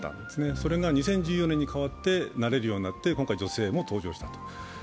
それが２０１４年に変わってなれるようになって今回女性も登場したと。